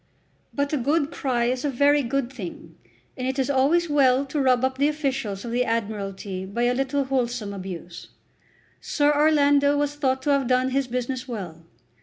But a good cry is a very good thing, and it is always well to rub up the officials of the Admiralty by a little wholesome abuse. Sir Orlando was thought to have done his business well.